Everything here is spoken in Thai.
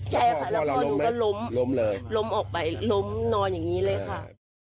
ใช่ค่ะแล้วพอหนูก็ล้มล้มออกไปล้มนอนอย่างนี้เลยค่ะ